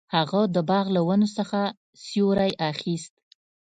هغه د باغ له ونو څخه سیوری اخیست.